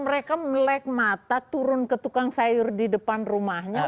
saya udah rek mata turun ke tukang sayur di depan rumahnya